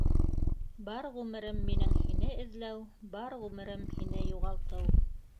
Бар ғүмерем минең — һине эҙләү, Бар ғүмерем һине юғалтыу